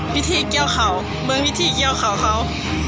วิธีเกี่ยวเข่าเบื้องวิธีเกี่ยวเข่าเขา